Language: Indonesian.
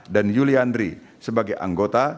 dan yuli andri sebagai anggota